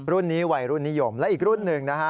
รุ่นนี้วัยรุ่นนิยมและอีกรุ่นหนึ่งนะฮะ